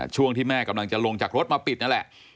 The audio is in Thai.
ช่วงที่แม่กำลังจะลงจากรถมาปิดนั่นแหละ